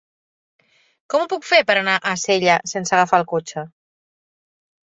Com ho puc fer per anar a Sella sense agafar el cotxe?